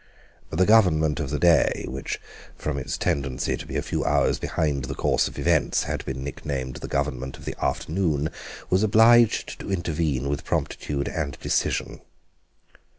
The Government of the day, which from its tendency to be a few hours behind the course of events had been nicknamed the Government of the afternoon, was obliged to intervene with promptitude and decision.